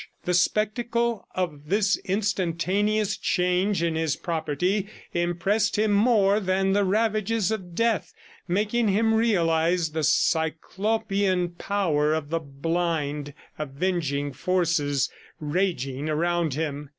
The spectacle of this instantaneous change in his property impressed him more than the ravages of death, making him realize the Cyclopean power of the blind, avenging forces raging around him.